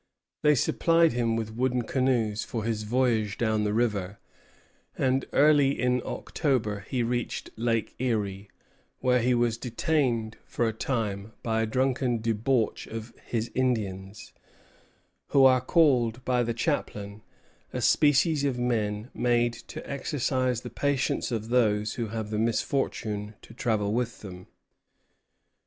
They supplied him with wooden canoes for his voyage down the river; and, early in October, he reached Lake Erie, where he was detained for a time by a drunken debauch of his Indians, who are called by the chaplain "a species of men made to exercise the patience of those who have the misfortune to travel with them."